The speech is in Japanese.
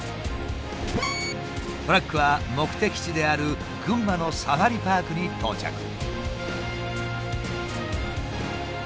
トラックは目的地である群馬のサファリパークに到着。